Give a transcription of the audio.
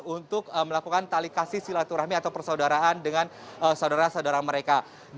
untuk melakukan talikasi silaturahmi atau persaudaraan dengan saudara saudara mereka